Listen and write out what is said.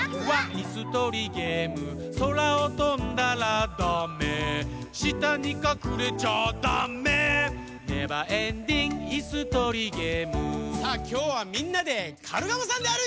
いすとりゲーム」「そらをとんだらダメ」「したにかくれちゃダメ」「ネバーエンディングいすとりゲーム」さあきょうはみんなでカルガモさんであるいてみよう。